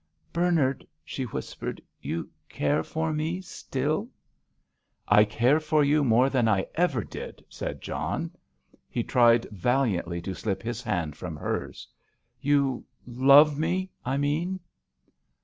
"Bernard," she whispered, "you care for me still——" "I care for you more than ever I did," said John. He tried valiantly to slip his hand from hers. "You love me, I mean?"